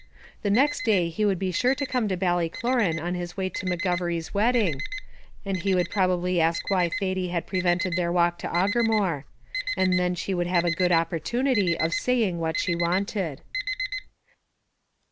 The next day he would be sure to come to Ballycloran on his way to McGovery's wedding, and he would probably ask why Thady had prevented their walk to Aughermore; and then she would have a good opportunity of saying what she wanted.